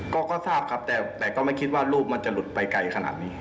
ก็ทราบครับแต่ก็ไม่คิดว่ารูปมันจะหลุดไปไกลขนาดนี้